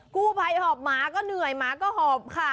กู้ภัยหอบหมาก็เหนื่อยหมาก็หอบค่ะ